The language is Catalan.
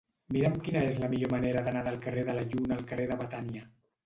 Mira'm quina és la millor manera d'anar del carrer de la Lluna al carrer de Betània.